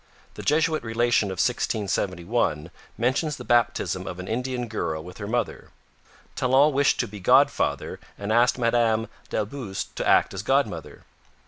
The Jesuit Relation of 1671 mentions the baptism of an Indian girl with her mother. Talon wished to be godfather and asked Madame d'Ailleboust to act as godmother.